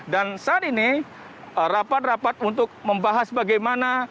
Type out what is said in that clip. dan saat ini rapat rapat untuk membahas bagaimana